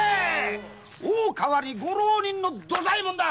大川にご浪人の土左衛門だ。